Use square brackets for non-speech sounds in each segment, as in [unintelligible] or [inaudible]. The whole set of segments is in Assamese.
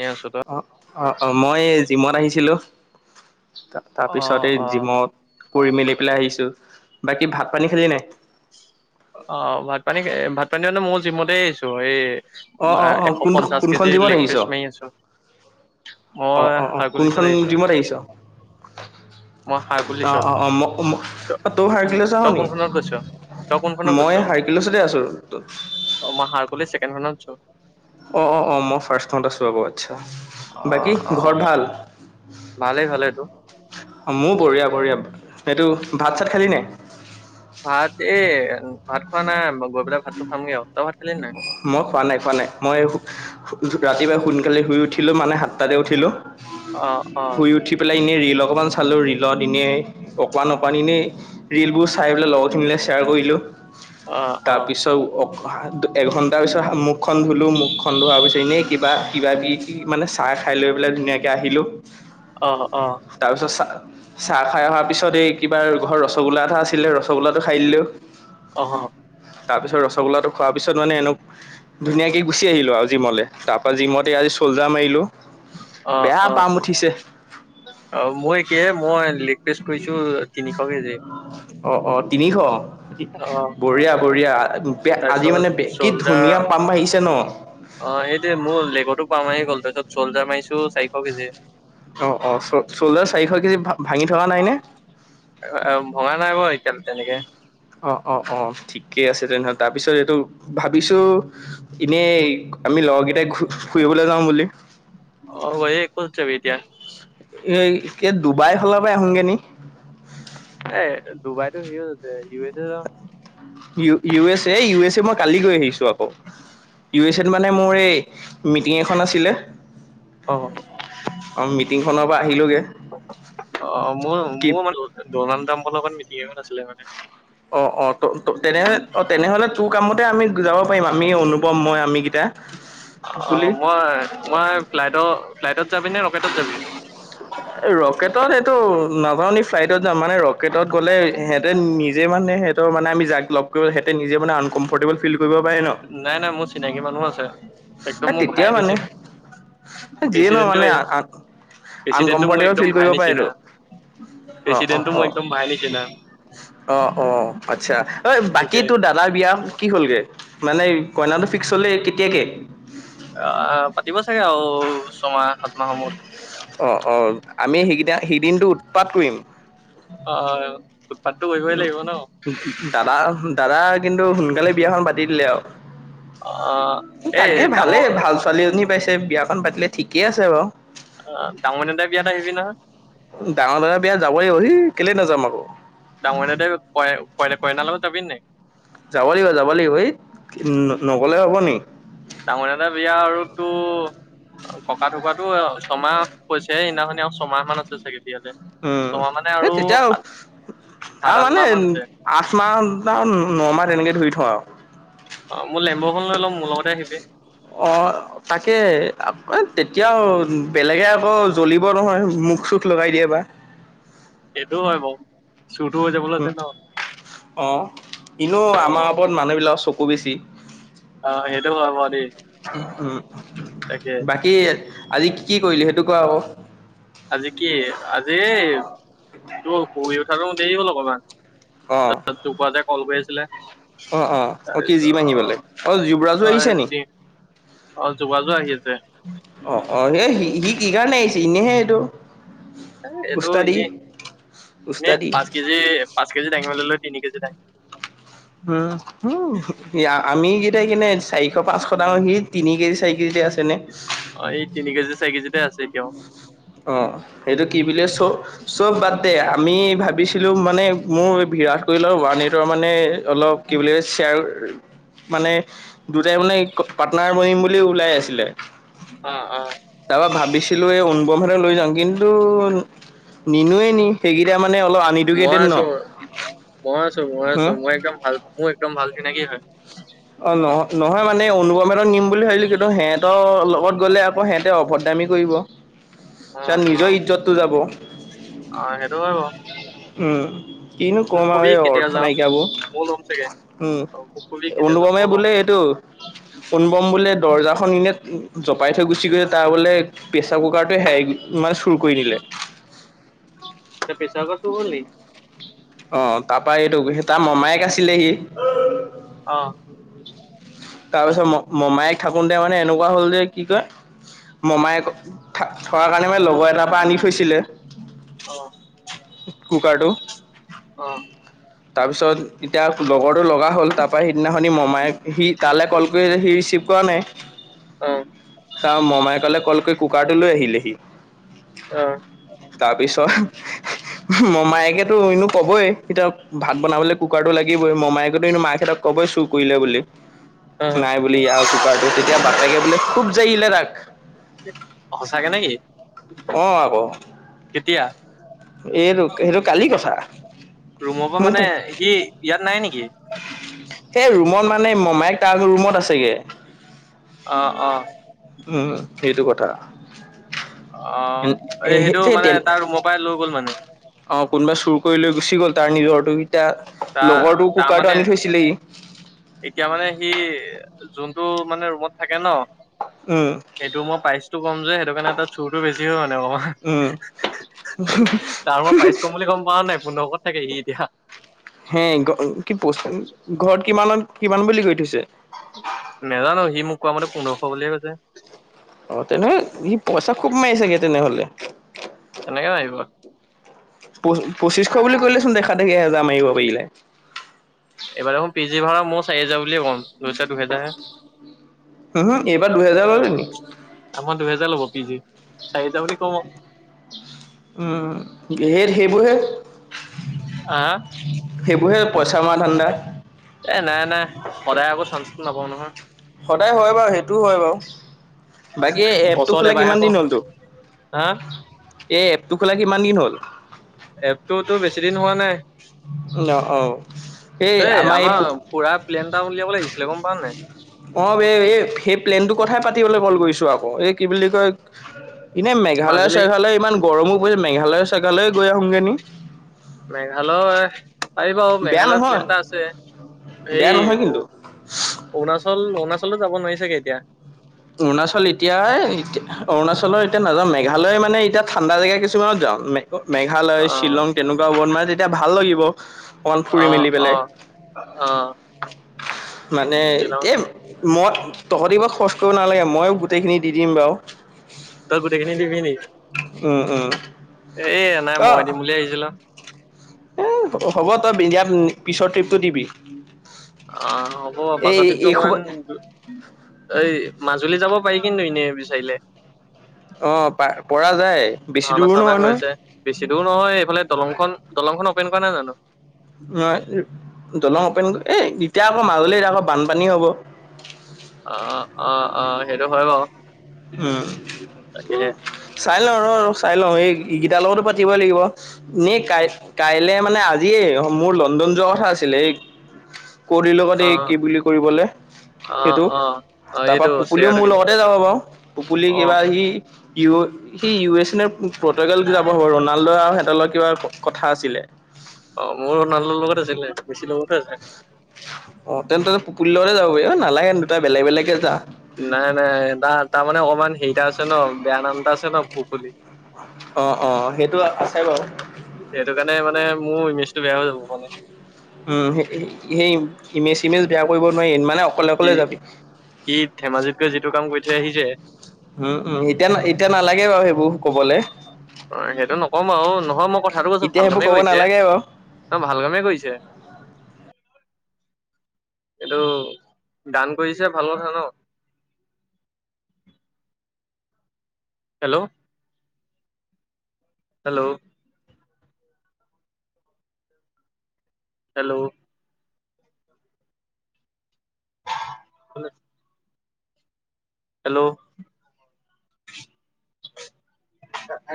এনে আছো তই অ- অ- অ মই জিমত আহিছিলো। তাৰ অ', পিছতে এই অ', জিমত কৰি মেলি পেলাই আহিছো বাকী ভাত পানী খালি নাই। অ, ভাত পানী ভাত পানী মানে মউ জিমতেই আহিছো এই অ', অ', অ', এশ কোন পঞ্চাশ কেজি কোনখন জিমত লেগ আহিছ? পিচ মাৰি আছো। অ, অ', হাগলী চত কোনখন আহিছো। জিমত আহিছ? মই অ', অ', হাৰগুলিছত অ', ম ত তই হাৰকিউলিছত আহ তই নি? কোনখনত গৈছ? তই কোনখনত মই গৈছ হাৰকিউলিছতে আছোঁ। অ, মই হাৰগুলী ছেকেণ্ডখনতছো। অ - অ - অ মই ফাৰ্ষ্টখনতে আছো ৰবো আচ্ছা বাকী অ', ঘৰ অ', ভাল। ভালেই - ভালেই তোৰ? অ, মোৰ বঢ়িয়া - বঢ়িয়া এইটো ভাত চাত খালি নে? ভাত এ ভাত খোৱা নাই গৈ পেলাই ভাতটো খামগে আও তই ভাত খালি নাই মই খোৱা নাই - খোৱা নাই মই ৰাতিপুৱা সোনকালে শুই উঠিলো মানে সাতটাতে উঠিলো। অ', অ', শুই উঠি পেলাই এনেই ৰেলক অকণমান চালো ৰৰিলত এনেই অকমান - অকমান এনেই ৰীলবোৰ চাই পেলাই লগৰখিনিলৈ শ্বেয়াৰ কৰিলো। অ', অ', তাৰপিছত অ, এঘন্টাৰ পিছত মোক মুখ খন ধুলো মুখ খন ধোৱাৰ পিছত এনেই কিবা কিবি মানে চাহ খাই লৈ পেলাই ধুনীয়াকৈ আহিলো। অ', অ', তাৰপিছত চাহ খাই অহাৰ পিছত এই কিবা ঘৰত ৰসগোল্লা এটা আছিলে ৰসগোল্লা টো খাই দিলো। অ- অ। তাৰ পিছত ৰসগল্লাটো খোৱা তাৰ পিছত মানে এনেক ধুনীয়াকে গুচি আহিলো আৰু জিমলে তাৰ পৰা জিমতে আজি চল্জাৰ মাৰিলো। অ', বেয়া পাম উঠিছে। অ, মইেই মই লেগ পেষ্ট কৰিছো তিনিশ কেজি অ' অ' তিনিশ অ', বঢ়িয়া - বঢ়িয়া আজি তাৰপিছত মানে কি চল্ডাৰ ধুনীয়া পাম বাঢ়িছে ন। অ, সেইটো মোৰ লেগৰো পোৱা মাৰি গ'ল তাৰপিছত চল্জাৰ মাৰিছো চাৰিশ কেজি অ - অ চ চল্ডাৰ চাৰিশ কেজি ভাল ভঙা নাই ব এতিাল তেনেকে অ- অ - অ ঠিকে আছে তেনেহলে তাৰপিছত এইটো ভাবিছো এনে আমি লগৰকেইটাই ফুৰিবলৈ যাও বুলি। অ, এই কত যাবি এতিয়া এই এ ডুবাইৰ ফালৰ পৰা আহোগৈ নি? এ ডুবাইতো সেত আছে ইউ এত যাও আমি ই U S - A U S A মই কালি গৈ আহিছো আকৌ ইউ এছ এত মানে মোৰ এই মিটিং এখন আছিলে অ অ মিটিংখনৰ পৰা আহিলোগৈ অ, ম মোৰ ম ডনাল্ড ট্ৰাম্পৰ লগত মিটিং এখন আছিলে মানে। অ - অ ত তেনে অ, তেনেহলে তোৰ কামতে আমি যাব পাৰিম আমি অনুভৱ মই আমি অ মই মই ফ্লাইটৰ ফ্লাইটত যাবি নে ৰকেটত যাবি ৰকেটত এইটো নাাজাওঁ নি ফ্লাইটত যামওঁ মানে ৰকেটত গ'লে সিহঁতে নিজে মানহে সিহঁৰ মানে আমি যাক লগ কৰিব ত নিজে মানে আনকমফৰ্টেবল ফিল কৰিব পাৰে ন নাই নাই মোৰ চিনাকি মানুহ আছে এ একদম মোৰ তেতিয়া ভাইে মানে আনিছিল না যিয়ে নহ মানে আ প্ৰেচিডেণ্টটো মোৰ আনকমফৰ্টেবল একদম ফিল ভাই কৰিব পাৰে নিচিনা আৰু অ অ প্ৰেচিডেণ্টটো মোৰ অ একদম ভাই নিচিনা আহ অ আচ্ছা অঐ বাকী তাকে তোৰ দাদাৰ বিয়া কি হ'লগে মানে কইনাটো একচলে কেতিয়াকৈ আহ পাতিব চাগে আৰু ছমাহ সাত মাহৰ সমূৰত অ অ আমি সেইকেইটা সেইদিনটো উৎপাত কৰিম আহ উৎপাতটো উ কৰিবই লাগিব ন দাদা দাদা কিন্তু সোনকালে বিয়াখন পাতি দিলে অ আৰু এই তাকে ভালে ডাঙৰ ভাল ছোৱালীজনী পাইছে বিয়াখন পাতিলে ঠিকে আছে বাৰু অ ডাঙৰ দউতাই বিয়া এটা আহিবি নহয় ডাঙৰ ডাঙৰ বিয়া যাবই অহি কেলে নাযাম আকৌ দাঙনে দে প পই কই ন লব যাবি নাই যাব লাগিব যাব লাগিব এই নগ'লে হ'ব নিক ডাঙৰ দা বিয়া আৰু তটো ককা ঢুকাতটো ছয়মাহ হৈছে সদিনাখন আৰু ছমাহ মান আছে চাগে বিয়ালে উম ছমাহ মানে সেই আৰু তেতিয়াও সাত সাত আৰু আঠ মানে মাহ মান আছে আঠ মাহ আৰু নমাহ তেনেকে ধৰি থওঁ আৰু অ মোৰ লেম্বৰখন লৈ লম মোৰ লগতে আহিবি অ তাকে তেতিয়াও বেলেগে আকৌ জ্বলিব নহয় মুখ চুট লগাই দিয়ে বা এইটোও হয় ব চুৰটো হৈ যাবলৈ উম আছে ন অ ইনেো অ আমাৰ ওপৰত মানুহবিলাকৰ চকু বেছি অ সেইটো হয় বাৰু দেই তাকে উম বাকী আজি কি কি কৰিলি সেইটো কোৱা হ'ব আজি কি আজি এই তোৰ শু় উঠা দেৰি হ'ল অকমান অ', ত তোৰ পাতে কল কৰি আছিলে অ অ অ কি জি বান্ধিব লাগ তাৰপিছত অ জুবৰাজো আহিছে নি অজু বাজু আহি আছে অ অ সেইি সি কি কাৰণে আহিছে এনেইহে এইটো এইটো উস্তাদি ইনে এ উস্তাদি পাঁচ কেজি পাঁচ কেজি দাঙিবেল লৈ তিনি কেজি দাঙি উম উম আমি কেইটাই কিনে চাৰি এশ পাঁচশ ডাৰ স তিনি কেজি চাৰি কেজিতে আছেনেে অ এই তিনি কেজি চাৰি কেজি অ সেইটো কি বুলি চ চব বাটতে আমি ভাবিছিলো মানে মোৰ বিৰাট কৰি লও ওৱান এইটৰ মানে অলপ কি বুলি শ্বেয়াৰ মানে দুটাই মানে পাটনাৰ বহিম বুলি ওলাই আছিলে অ অ তাৰপা ভাবিছিলো এই অন ব্ৰহেতে লৈ যাওঁ কিন্তু নিনোৱে নি সেইক মই আছো মই আছো মই আছো হম মই একদম ভাল মোৰ একদম ভাল চিনাকি হয় অ নহ নহয় মানে অনুপমহঁ নিম বুলি ভাবিলো কিন্তু সিহঁতৰ লগত গ'লে আকৌ সিহঁতে অভদ দামি কৰিব অ কাৰাত অ নিজৰ ইজ্জতটো যাব অ সেইটো হয় বাৰু উম কিনো মোক কম আৰু কবি এই কেতিয়া অৰ্থ যাৱ নাইকিয়াবোৰ ময়ো ল'ম চাগে উম অ মোক কবি কেতিয়া যাৱ অনুপমে ময়ো ল'ম বোলে এইটো অনুপম বোলে দৰ্জাখন এনে পাই থৈ গুচি গৈলে তাৰ বোলে প্ৰেছাৰ কুকাৰটো হে ইমান চুৰ কৰি নিলে ত পেছা কছো ব'ল নাই অ তাৰপা এইটো স তাৰ মামায়েক আছিলেহি অ তাৰ পিছত ম মমায়ক থাকোতে মানে এনেকুৱা হল যে কি কয় মমায়ক থোৱাৰ কাৰণে মানে লগৰ এটাৰ পৰা আনি থৈছিলে অ কুকাৰটো অ তাৰ পিছত এতিয়া লগৰ টো লগা হ'ল তাৰ পৰাৰা সিদিনাখনি মমাইে সি তালৈ কল কৰি সি ৰিচিভ কৰা নাই ছাৰ মমাই কলে কল কৰি কুকাৰটো লৈ আহিলেহি। অ' তাৰপিছত মমায়েকেতো এনো কবই কিতাপ ভাত বনাবলৈ কুকাৰটো লাগিবই। মমায়কতোন্তো মাকাহহঁক কবই চুৰ কৰিলে বুলি। অ অ নাই বুলি ই কুকাৰটো তেতিয়া বাপেকে বোলে খুব জায়িললে তাক। সচাকে নে কি? অ, আকৌ। এতিয়া। এইটো সেইটো কালি কথা ৰুমৰ পৰা মানে মোৰ সি ইয়াত নাই নেকি? সেই ৰুমত মানে মমায়ক তাৰ ৰুমত আছেগে। অ, অ। উম সেইটো কথা। অ এই সেইটো মানে সেইটোৱে তাৰ ৰুমত পৰা লৈ গ'ল মানে। অ কোনোবা চুৰ কৰি লৈ গুচি গ'ল তাৰ নিজৰটো। এতিয়া তাৰ লগৰটো তাৰ কুকাৰটো মানে আনি থৈছিলে ই এতিয়া মানে সি। যোনতটো মানে ৰুমত থাকে ন উম সেইটো মই প্ৰাইচতটো কম যে। সেটো কাৰণে ত চুৰতটো বেছি উম হয়। [unintelligible] তাৰ মই পাইচ কম বুলি গ'ম পাওঁ নাই পোন্ধৰশ। ত তাকে এ দিয়া। হে কি ঘৰত কিমানত কিমান বুলি কৈ থৈছে। নাজানো সি মোক কোৱ মতে পোন্ধৰশ বুলিয়ে কৈছে। অ তেনেকে সি পইচা খুব মাৰি চাগে তেনেহ'লে। কেনেকে মাৰিব। প পচ্ছিশ বুলি ক'লে চোন দেখা দেখি এহেজাৰ মাৰিব পাৰিলে। এইবাৰ দেখ পি জি ভাড়া মই চাৰিহাজাৰ বুলি কম। লৈছে দুহেজাৰ, হম এইবাৰ দুহেজাৰ ললে নি আমাৰ দুহেজাৰ। [unintelligible] ল'ব পিজি চাৰি হজাৰ বুলি কম। সে সেইবোৰহে হা সেইবোৰহে পইচা মা ধান্দা। এ নাই নাই সদায় আকৌ চাঞ্চটো নাপাওঁ নহয়। সদায় হয় বাৰু, সেইটোও হয় বাৰু, বাকী এপটো বছৰত খোলা এবাৰহে কিমান দিন পাওঁ। হ'লতো হা এইপ। তোৰ খোলা কি ইমান দিন হ'ল। এপটোতো বেছি দিন হোৱা নাই। অ', অ'। এই এ এই আমাৰ ফুৰা প্লেন টা উলিয়াব লাগিছিলে গম পাৱ নাই। অ এই এই সেই প্লেন টো কথাই পাতিবলৈ কল কৰি। আকৌ এই কি বুলি কয়। এনে মেঘালয় মাজুলী চেঘালয় ইমান গৰমো। মেঘালয়ৰ চেগালয়ে গৈ আহোনগোন। মেঘালয় পাৰিবা। বেয়া মেঘালয় নহয়, প্লেন এটা আছে সেই বেয়া নহয় কিন্তু। অৰুণাচল অৰুণাচল যাব নোৱাৰিছাগে এতিয়া। অৰুণাচল এতিয়ায়া অৰুণাচলৰ এতিয়া নাযাওঁ। মেঘালয় মানে এতিয়া ঠাণ্ডা জেগা কিছুমানত যাওঁ। মেঘালয় অ', শ্বিলং তেনেকুৱা হ মানে তেতিয়া ভাল লাগিব। কণ ফুৰি অ', মেলি পেলাই অ', অ', মানে শ্বিলং এতিয়া। মই তহঁতিবাৰ খৰচ কৰিব নালাগে ময়ো গোটেইখিনি দি দিম বাৰু।। তই গোটেইখিন নি দিবি নিকি? উম, উম। এ নাই অ মই দিম বুলি আহিছিলো। এ হ'ব তই ইয়াত পিছৰ ট্ৰিপটো দিবি। আহ হ'ব এই পাছতেো এই অকণমান খোপা এই মাজুলী যাব পাৰি কিন্তো এনেই বিচাৰিলে। অ প পৰা যায় বেছি ভাওনা দূৰো চাওনা নহয় ন। হৈছে বেছি দূৰ নহয় এইফালে দলংখন দলংখন অপেন কৰা নাই জানো। ন দলং অপেন এ এতিয়া আকৌ মাজুল এতি আকৌ বানপানী হ'ব অ অ অ সেইটো হয় বাৰু উম তাকেহে চাই চাই লওঁ ৰ চাই লওঁ এই গিটাৰ লগতো পাতিবই লাগিব নেই কাই কাইলে মানে আজিয় অ মোৰ লণ্ডন যোৱা কথা আছিলে এই কলিৰ লগত অ এই কি বুলি কৰিবলৈ অ সেইটো অ অ তাৰ পৰাা এইটো পুপুলিও চেয়াৰটো মোৰ লগতে কিনিবলৈ যাব বাৰু উুলি অ কিবা সি ই সি ইউ এছ এ পটগাল যাব হ'ব ৰনাল্ডো আৰু তলৰ কিবা কথা আছিলে অ মোৰ নালৰ লগত আছিলে বেছি লগতে আছে অ তেন্ত ত পপুলতে যাব পাৰি অ নালাগেন দুটাই বেলেগ বেলেগে যা নাই নাই ত তাৰমানে অকমান সেইত আছে ন বেয়া নামটা আছে ন পুখুলিী অ অ সেইটো আছে বাৰু মানে মানে মোৰ ইমেজটো বেয়া হৈ যাব মানে উম সেই ইমেজ চিমেজ বেয়া কৰিব নোৱাৰি মানে অকলে সি অকলে যাবি য আহ যে উম উম এতিয়া এতিয়া নালাগে বাৰু সেইবোৰ কবলৈ অ সেইটো নকম আৰু নহয় মোক কথাটো কৈছো এতিয়া ভাল সেইবোৰ কামে ক'ব কৈছে নালাগে বাৰু ন ভাল কামে কৈছে এইটো গান কৰিছে ভাল কথা ন হেল্ল' হেল্ল' হেল্ল' কল হেল্ল' ন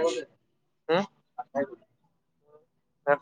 ক